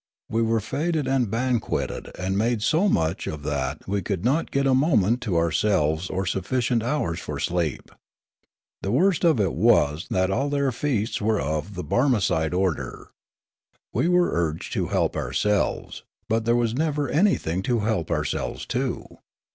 We were feted and banquetted and made so much of that we could not get a moment to ourselves or sufficient hours for sleep. The worst of it was that all their feasts were of the Barmecide order. We were urged to help ourselves ; but there was never anything to help ourselves to.